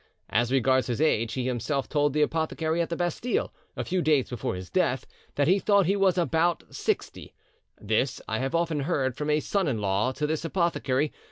As regards his age, he himself told the apothecary at the Bastille, a few days before his death, that he thought he was about sixty; this I have often heard from a son in law to this apothecary, M.